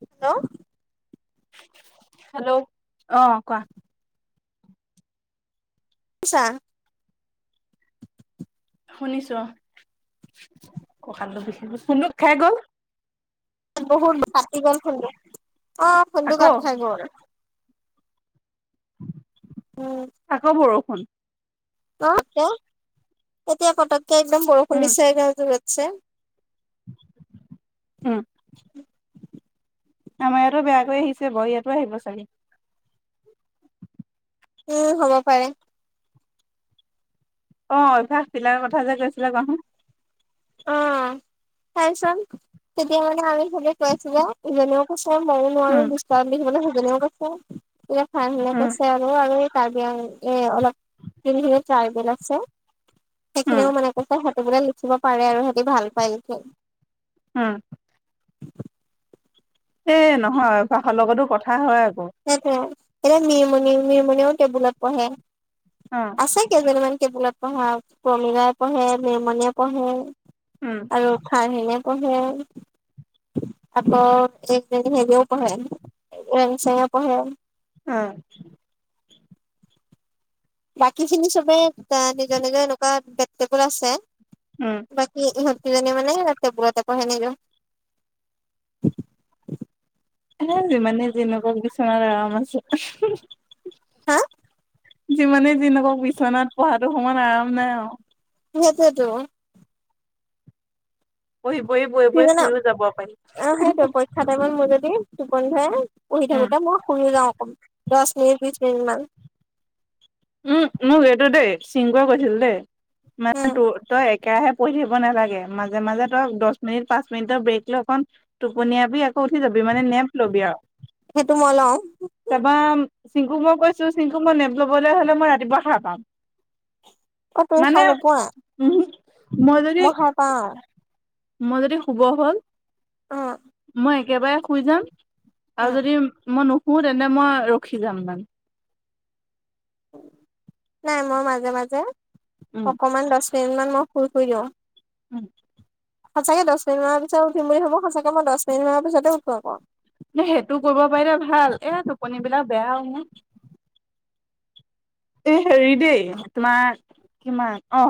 Hello [unintelligible] hello অ কোৱা। [unintelligible] শুনিছো, অ ককালটো বিষাই গৈছে, [unintelligible] গল। বহুত কাটি গ'ল ফোনটো অ ফোনটো আকৌ কাট খাই গ'ল। উম। আকৌ বৰষুণ। [unintelligible] এতিয়া পতককে একদম বৰষুণ উম দিছে একদম জোৰতছে। [inaudible] উম। [inaudible] আমাৰ ইয়াতো বেয়াকৈ আহিছে বাৰু ইয়াতো আহিব চাগে? উম হ'ব পাৰে। অ অভ্যাস বিলাকৰ কথা যে কৈছিলা কোৱাচোন। [inaudible] তেতিয়া মানে আমি সবে কৈছো যে [inaudible] [unintelligible] ময়ও উম নোৱাৰো উম [unintelligible] [unintelligible] [unintelligible] আছে। উম সেইখিনিও মানে কৈছে সিহঁতি বোলে লিখিব পাৰে আৰু সিহঁতি ভাল পায় লিখি। উম। এ নহয় অভ্যাসৰ লগতো কথা হয় আকৌ! সেইটোৱে এতিয়া নিম নিমনিও [unintelligible] টেবুলত পঢ়ে। অ। আছে কেইজনীমান টেবুলত পঢ়া প্ৰমীলাই পঢ়ে, নেমণিয়ে পঢ়ে। উম। আৰু খাৰ সেইনে পঢ়ে। আকৌ হেৰিও পঢ়ে ৰেং চেং এ পঢ়ে। অ, বাকী খিনি চবেই এটা নিজৰ নিজৰ এনেকুৱা বেট টেবুল আছে। উম! বাকী ইহঁত কেইজনীয়ে মানে টেবুলতে পঢ়ে নিজৰ। এ যিমানে যেনেকুৱা বিছনাত আৰাম আছে। হা যিমানে যি নকক বিচনাত পঢ়াতো সমান আৰাম নাই আও। সেইটোৱেটো। পঢ়ি, পঢ়ি, বৈ বৈ শুইও যাব পাৰি। ঠটামান মোৰ যদি টোপনি ধৰে পঢ়ি উম থাকোতে মই শুইও যাওঁ অকমান। দহ মিনিট, বিশ মিনিট মান। উম! মোক এইটো দেই চিনকুৱে কৈছিল দেই। মানে উম তোৰ, তই একেৰাহে পঢ়ি থাকিব নালাগে। মাজে মাজে তই দহ মিনিট, পাঁচ মিনিটৰ, ব্ৰেক লৈ অকন টোপনিয়াবি আকৌ উঠি যবি মানে, নেপ লবি আও। সেইটো মই লওঁ তাৰপৰা চিংকুক মই কৈছো- চিংকু মই নেপ লবলে হলে মই ৰাতিপুৱা সাৰ পাম। অ তুমি সাৰ মানে নোপোৱা উমহু, মই যদি পাওঁ। মই যদি শুব হল, অ মই একেবাৰে শুই যাম আৰু যদি মই নুশুৱো, তেন্তে মই ৰখি যাম মানে। নাই, মই মাজে মাজে উম অকমান দহ মিনিট মান মই শুই শুই দিওঁ। উম! সঁচাকে, দহ মিনিটমান পিছত উঠিম বুলি ভাবো। সঁচাকে মই দহ মিনিটমান পাছতে উঠো আকৌ। এ, সেইটো কৰিব পাৰিলে ভাল। এয়া টোপনিবিলাক বেয়াও মোৰ। এই, হেৰি দেই তোমাৰ কিমান অ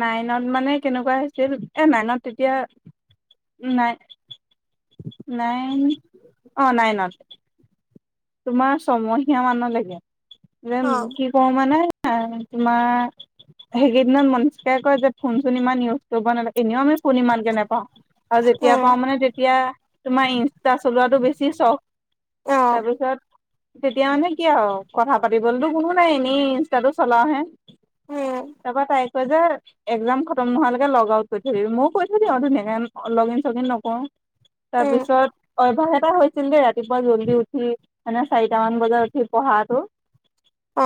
নাইনত মানে কেনেকুৱা হৈছিল! এ নাইনত তেতিয়া নাইন [inaudible] নাইন অ নাইনত তোমাৰ ছমহীয়া মান লৈকে, যেন অ', কি প মানে এ তোমাৰ সেইকেইদিনত মনস্কাই কয় যে- ফোন চোন ইমান ইউজ কৰিব নালাগে। এনেও আমি ফোন ইমানকে নেপাওঁ। আৰু যেতিয়া উম, পাও মানে তেতিয়া তোমাৰ ইনষ্টা চলোৱাটো বেছি চখ, অ', ইনষ্টাটো তেতিয়া মানে কি আৰু কথা পাতিবলৈতো কোনো নাই, এনেই ইনষ্টাটো চলাওহে। উম, তাৰপৰা তাই কয় যে একজাম খতম নোহোৱালৈকে লগ আউট কৰি থবি, মইও কৰি থৈ দিওঁ আৰু ধুনীয়াকে, লগ ইন, চগ ইন নকৰো। উম, তাৰপিছত অভ্যাস এটা হৈছিল দেই ইয়াত। ৰাতিপুৱা, জল্দি উঠি মানে চাৰিটামান বজাত উঠি পঢ়াটো। অ!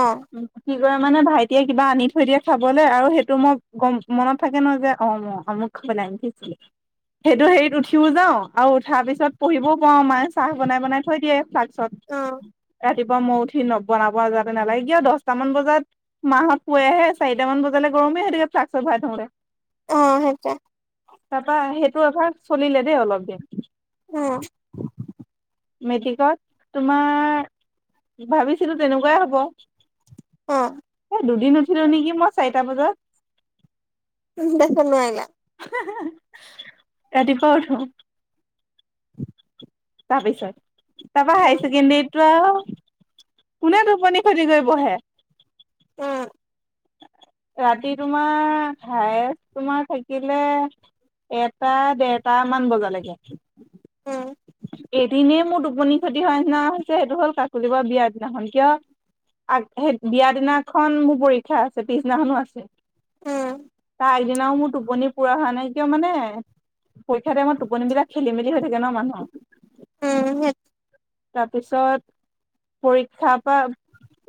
কি কৰে মানে ভাইটিয়ে কিবা আনি থৈ দিয়ে খাবলে, আৰু সেইটো মই গম মনত থাকে ন যে ম আমুক খাবলে আনি থৈছিলে। সেইটো হেৰিত উঠিও যাওঁ, আৰু উঠাৰ পিছত পঢ়িবও পাও, মায়ে চাহ বনাই বনাই থৈ দিয়ে ফ্লাচত। অ', ৰাতিপুৱা মই উঠি নবনাব যাতে নালাগে। কিয় দহটামান বজাত মাহঁত শুৱেহে, চাৰিটামান বজালে গৰমে হৈ থাকে ফ্লাছত ভৰাই থওঁতে। অ সেইটোৱে তাৰপা সেইটো অভ্যাস চলিলে দেই অলপ দিন। অ। [inaudible] মেট্ৰিকত তোমাৰ ভাবিছিলো তেনেকুৱাই হ'ব। অ। এ দুদিন উঠিলো নেকি মই চাৰিটা বজাত। [unintelligible] তাৰপিছত নোৱাৰিলা? [unintelligible] ৰাতিপুৱা উঠো। [inaudible] তাৰপিছত তাৰপা উম, হায়াৰ ছেকেণ্ডৰীত ত আও কোনে টোপনি ক্ষতি কৰি পঢে। অ। ৰাতি তোমাৰ হায়েষ্ট তোমাৰ থাকিলে এটা দেৰটা মান বজাত। উম, [inaudible] এদিনে মোৰ টোপনি ক্ষতি হোৱা নিচিনা সেইটো হ'ল কাকলি ব বিয়া দিনাখন কিয় আ সেই বিয়া দিনাখন মোৰ পৰি শা আছে পিছনাখনো আছে উম, তাই দিনাও মোৰ টোপনি পুৰা হোৱা নাই কিয় মানে পৰীক্ষা টাইমত টোপনিবিলাক খেলি মেলি হৈ থাকে ন মানুহ? উম, সেই [inaudible] তাৰপিছত পৰীক্ষা পৰা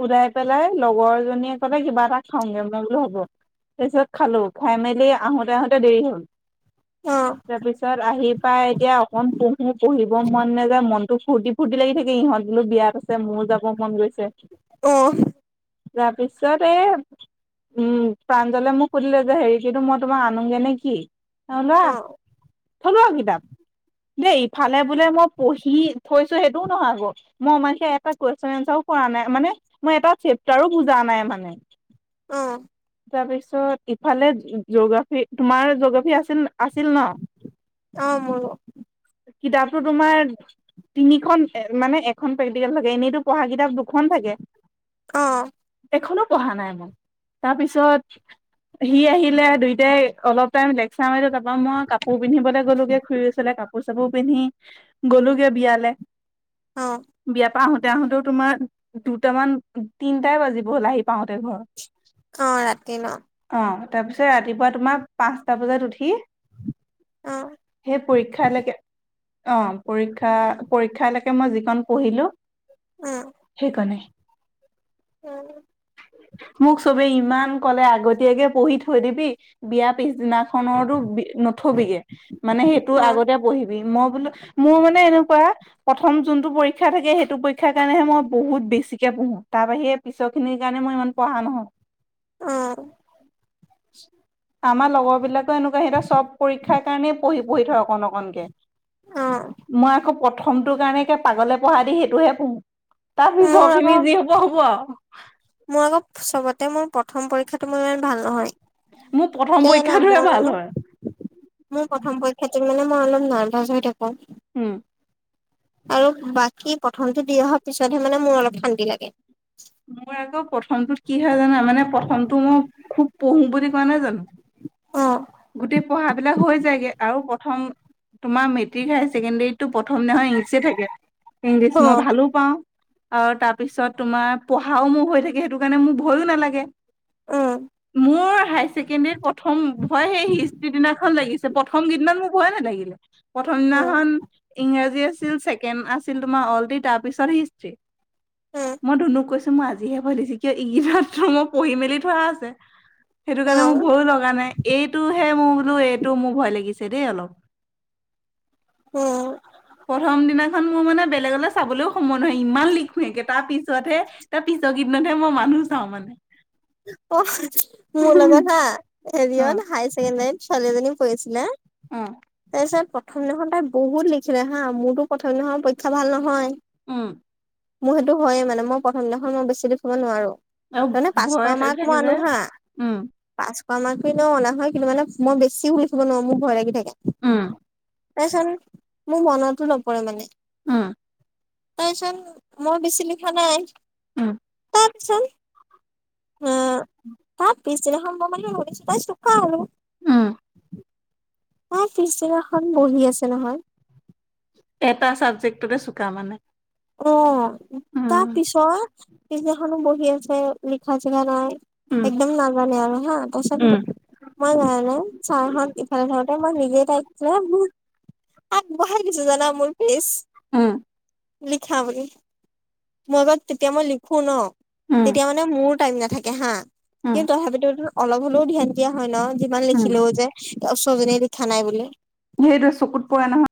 উলাই পেলাই লগৰ জনীয়ে কলে কিবা খাওঁগে মই বলো হ'ব, তাৰ পিছত খালো খাই মেলি আহোতে আহোতে দেৰি হল। অ', তাৰপিছত আহি পাই এতিয়া অকন পঢ়ো পঢ়ি মন নাযায় মনতো ফূৰ্তি ফূৰ্তি লাগি থাকে ইহঁত বোলো বিয়াত আছে মোৰো যাব মন গৈছে। অ। তাৰপিছতে উম প্ৰাঞ্জলে মোক সুধিলে যে হেৰি কিটো মই তোমাক আনোগে নে কি? [inaudible] অ। থলো আও কিতাপ। দেই ইফালে বোলে মই পঢ়ি থৈছো সেইটোও নহয় আকৌ। মই মানে সেই এটা কুৱেশন এনচাৰো কৰা নাই, মানে মই এটা চেপ্তাৰো বুজা নাই মানে। অ। তাৰপিছত ইফালে জিঅ'গ্ৰাফী, তোমাৰ জিঅ'গ্ৰাফী আছিল আছিল ন? অ মোৰো। কিতাপটো তোমাৰ- তিনিখন মানে এখন প্ৰেক্টিকেল থাকে এনেইতো পঢ়া কিতাপ দুখন থাকে। অ। এখনো পঢ়া নাই মই, তাৰপিছত সি আহিলে দুইটাই অলপ টাইম লেকচাৰ মাৰিলো তাৰাপা মই কাপোৰ পিন্ধিবলে গ'লোগে খুৰি ওচৰলে কাপোৰ কাপোৰ চাপুৰ পিন্ধি গলোঁ গে বিয়ালে। অ। বিয়াৰ পৰা আহোতে আহোতেও তোমাৰ দুটামান তিনটাই বাজিব হ'ল আহি পাওতে ঘৰ। অ ৰাতি ন? অ তাৰপিছত ৰাতিপুৱা তোমাৰ পাঁচটা বজাত উঠি অ', সেই পৰীক্ষালেকে অ পৰীক্ষা পৰীক্ষা লেকে মই যিকন পঢ়িলো উম, সেইকণেই। উম। মোক চবে ইমান কলে আগতীয়াকে পঢ়ি থৈ দিবি। বিয়া পিছদিনাখনৰো বি নথবিগে মানে সেই। তোৰ অ', আগতে পঢ়িবি মই বোলো মোৰ মানে এনেকুৱা। প্ৰথম যোনতটো পৰীক্ষা থাকে সেইটো পৰীক্ষাৰ কাৰণেহে মই বহুত বেছিক কে পঢ়ো তাৰ বাহিৰে পিছত। সিখিনিৰ কাৰণে মই ইমান পঢ়া নহয়। অঁ। [inaudible] আমাৰ লগৰ বিলাকে এনেকুৱা সিহত চব পৰীক্ষাৰ কাৰণেই পঢ়ি- পঢ়ি থয় অকন অকনকে। অ', মই আকৌ। প্ৰথমটো কাৰণে পাগলে পঢ়া দি সেইটোহে পঢ়ো তাৰ পিছ মোৰ খিনি আকৌ যি হ'ব হ'ব আৰু। মোৰ আকৌ চবতে মোৰ প্ৰথম পৰীক্ষাটো মোৰ ইমান ভাল নহয়। মোৰ প্ৰথম কিয় জান পৰীক্ষাটোৱে মই ভাল মানে। হয়। মোৰ প্ৰথম পৰক্ষাটো মানে মই অলপ নাৰ্ভাচ হৈ থাকো। উম। আৰু বাকী প্ৰথমটো দি অহাৰ পিছতহে মানে মোৰ অলপ শান্তি লাগে। মোৰ আকৌ প্ৰথমটোত কি হয় জানা, মানে প্ৰথমটো মই খুব পঢ়ো বুলি কোৱা নাই জানো। অঁ। গোটেই পঢ়া বিলাক হৈ যায়গে আৰু প্ৰথম। তোমাৰ মেটিক হায়াৰ ছেকেণ্ডেৰী তটো প্ৰথম নহয় ইংলিচ থাকে। ইংলিছ অ মই ভালো পাওঁ আৰু তাৰপিছত তোমাৰ। পঢ়াও মোৰ হৈ থাকে, সেইটো কাৰণে মোৰ ভয়ো নালাগে উম মোৰ হাস। ছেকেণ্ড ইয়াৰ প্ৰথম ভয় সেই হিষ্ট্ৰি দিনাখন লাগিছে প্ৰথম গেইদনাত মোৰ ভয়ে নে লাগিলে। প্ৰথম উম দিনাখন। ইংৰাজী আছিল, ছেকেণ্ড আছিল তোমাৰ অলৰে তাৰপিছত হিষ্টি। উম মই ধুনুক কৈছো মই আজিহে ভয় লাগিছে কিয় ই ৰাত্ৰ মই পঢ়ি মেলি থোৱা আছে। সেইটো অ কাৰণে মোৰ ভয়ো লগা নাই, এইটোহে মোৰ বোলো এইটো মোৰ ভয় লাগিছে দেই অলপ। উম। প্ৰথম দিনাখন মোৰ মানে বেলেগ। চাবলৈও সময় নহয়, ইমান লিখ নেকে তাৰ পিছতহে তাৰ পিছৰ গীদিনতহে মই মানুহ চাওঁ মানে। অ' মোৰ লগত হা অ হেৰিয়ত হায় ছেকেণ্ডাৰীত ছোৱালীজনী পঢ়িছিলে। অঁ। প্ৰথম দিনাখৰ তাই বহুত লিখিলে হা, মোৰতো প্ৰথম দিনাৰ পৰীক্ষা ভাল নহয়। উম। মোৰ সেইটো হয়ে মানে, মই প্ৰথম দিনাখন মই বেছি দেখুৱাব নোৱাৰো। অ ঘ [unintelligible] মাক ম নুহা [unintelligible] পাছোৱা মক ন অনা হয় কিন্তু মানে মই বেছি বুলিুল চব নোৱাৰো মোৰ ভয় লাগি থাকে। [unintelligible] উম। তাৰ পাছত মোৰ মনতো নপৰে মানে। উম। তাৰপিছত মই বেছি লিখা নাই। উম। তাৰপাছত। হ তাৰ পিছদিনাখন মই মানে শলছো তাই চুকা হলো। [unintelligible] উম, ন পিচদিনাখন বহি আছে নহয়। এটা ছাবজেক্টতে চুকা মানে। অ তাৰ উম পিছত পিছদিনাখনো বহি আছে লিখা চিখা নাই। উম একদম নাজানে আৰু হা পচাক উম মই জানানে চাৰখন ইফালে থওঁতে মই নিজে টাইছিলে বহুত। আগবঢ়াই দিছো জানা মোৰ পিচ। উম, লিখা বুলি মই আগত তেতিয়া মই লিখো ন উম তেতিয়া মানে মোৰ টাইম নাথাকে হা উম কিন্তু তথাপিতো অলপ হ'লেও ধ্যান দিয়া হয় ন যিমান উম লিখিলেও যে। চজিন দেখা নাই বুলি। সেইটো চকুত পৰা নহয়।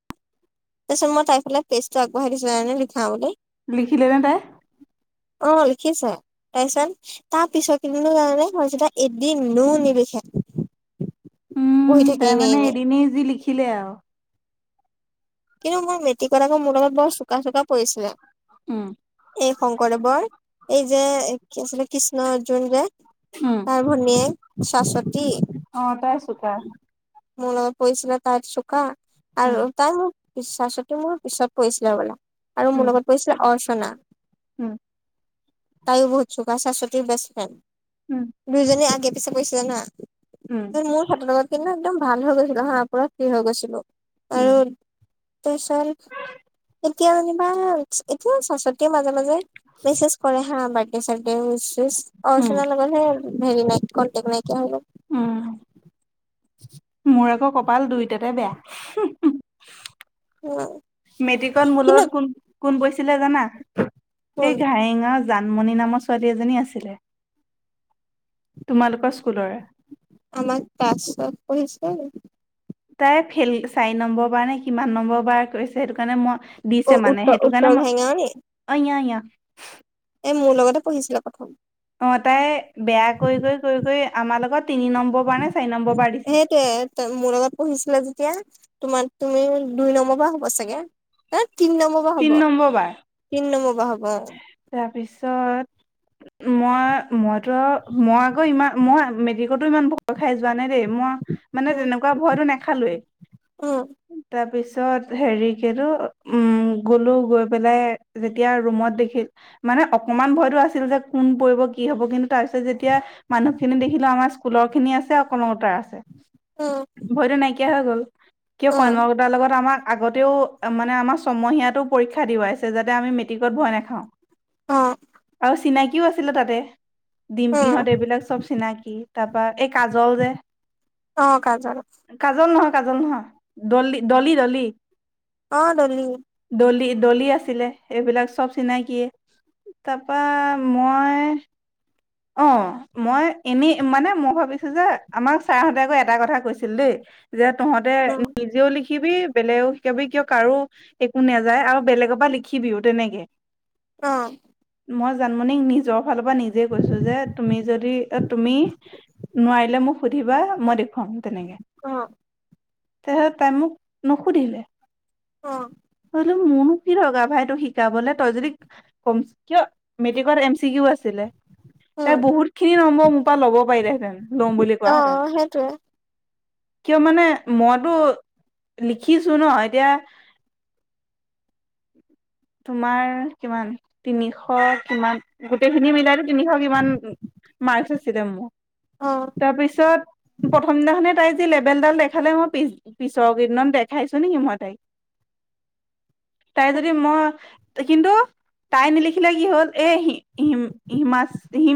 তাৰিছত মই তাই ফালে পেজটো আগবঢ়াই দিছোঁ লিখা বুলি। লিখিলেনে তাই। অ লিখিচে তাৰ পিছত। তাৰ পিছত কদিনো কাৰণে এদিনো নিলিখে। বহি উম, থাকে তাই এনেই মানে এনেই এদিনেই যি লিখিলে আৰু কিন্তু মোৰ মিট্ৰিকত আক মোৰ লগত বৰ চোকা চোকা পৰিছিলে। উম এই শংকৰদেৱৰ এই যে কি আছিলে কৃষ্ণ অৰ্জুন যে উম, তাৰ ভনীয়েক চশ্বতী। অ তাই ছোকা। মোলগত পৰিছিলে তাৰ চোকা উম, আৰু তাই মোক চশ্বতী মোৰ পিছত পৰিছিলে হবলা আৰু উম, মোৰ লগত পৰিছিলে অৰ্চনা। উম, তায়ো বহুত চোকা চশ্বতীৰ বেষ্ট উম, ফ্ৰেণ্ড দুয়োজনে আগে পিছে পাইছিলে না। উম, মোৰ সাতৰ লগত কিন্তু একদম ভাল হৈ গৈছিলো হা পুৰা ফিৰি হৈ গৈছিলো। আৰু উম, তাৰপিছত এতিয়া যেনিবা এতিয়া চশ্বতী মাজে মাজে মেচেশ কৰে হা বাৰ্থডে চাৰড উছ উম, অৰ্চনা লগত হে, হেৰি নাই কণ্টেক নাইকিয়া হৈ গ'ল। উম, মোৰ আকৌ কপাল দুইটাতে বেয়া। উম, মেট্ৰিকত কিন্তু মোৰলত কোন কোন বহিছিলে জানা। কোন সেই ঘাৰেঙাঁৰ জানমণি নামৰ ছোৱালী এজনী আছিলে। তোমালোকৰ স্কুলৰে। আমাৰ পাঁচশ [unintelligible] তাই ফেল চাৰি নম্বৰ বাৰ নে কিমান নম্বৰ বাৰ কৰিছে সেইটো কাৰণে মই দিছে মানে উত্তৰ সেইটো উত্তৰ কাৰণে ঘাইঙাৱৰী মই অ [unintelligible] এ মোৰ লগতে পঢ়িছিলে প্ৰথম। অ তাই বেয়া কৰি কৰি কৰি কৰি আমাৰ লগত তিনি নম্বৰ বাৰ নে চাৰি নম্বৰ বাৰ দিছে। সেইটোয়ে মোৰ লগত পঢ়িছিলে যেতিয়া তোমাৰ তুমি দুই নম্বৰ বাৰ হ'ব চাগে। অ তিনি নম্বৰ বাৰ হব তিনি নম্বৰ বাৰ তিনি নম্বৰ বা হব অ। তাৰপিছত। মই মইতো মই আকৌ ইমান মই মেট্টিকতো ইমান ভয় খাই যোৱা নাই দেই মই মানে উম তেনেকুৱা ভয়তো নেখালোৱেই। উম তাৰ পিছত হেৰি কি সেইটো উম গলো গৈ পেলাই যেতিয়া ৰুমত - দেখিল, মানে অকমান ভয়তো আছিল যে কোন পৰিব কি হব কিন্তু তাৰ পিছত যেতিয়া- মানুহখিনি দেখিলো আমাৰ স্কুলৰ খিনি আছে কন্যলতাৰ আছে। উম ভয়তো নাইকিয়া হৈ গ'ল, কিয় উম কন্যলতাৰ লগত আমাক আগত- তেওঁ মানে আমাৰ ছমহীয়াতো পৰীক্ষা দিওৱাইছে, যাতে আমি মেট্ৰিকত ভয় নাখাও। অ আৰু চিনাকিও আছিলে তাতে, ডিম্পিহঁত উম এইবিলাক চব চিনাকি। তা পা এই কাজল যে! অ', কাজল! কাজল নহয় কাজল নহয়, দলি, ডলি ডলি। অ', ডলি! ডলি, ডলি, আছিলে এইবিলাক চব- চিনাকি, তা পা মই, অঁ - মই এনেই মানে মই ভাবিছো যে, আমাক ছাৰহঁতে আকৌ এটা কথা কৈছিল দেই - যে তহঁতে উম নিজেও লিখি- লিখিবি বেলেগকো শিকাবি কিয় কাৰো একো নাযায় আৰু বেলেগৰ পৰা লিখিবিও তেনেকে। অ, মই জানমনিক নিজ- ফালৰ পৰা নিজে কৈছো যে, তুমি যদি এ তুমি নোৱাৰিলে মোক সুধ- সুধিবা মই দেখুৱাম তেনেকে! ক‌ওক, তা পিছত তাই মোক নুসুধিলে। অ, মই ভাবিলোঁ, মোৰনো কি দৰকাৰ ভাই তোক শিকাবলে! তই যদি ক কিয়, মেট্ৰিকত এম চি কিও আছিলে। তাই উম বহুত খিনি নম্বৰ মোৰ পৰা ল'ব পাৰিলেহেঁতেন, ল‌ও বুলি অ কোৱাহেঁতেন। সেইটোৱে কিয় মানে মইতো লিখিছো ন, এতিয়া- তোমাৰ- মাৰ কিমান তিনিশ কিমান গোটেই খিনি মিলাই টো তি- তিনিশ কিমান মাৰ্কছ আছিলে মোৰ। অ তাৰপিছত- প্ৰথম দিনাখনেই তাই যি লেবেলডাল দেখালে, মই পিচ পিছৰ কেইদিনত দেখাইছো নেকি মই তাইক! তাই যদি মই - কিন্তু তাই নিলিখিলে কি হ'ল, এই হিম হিম হিমাশ্ৰী হিম।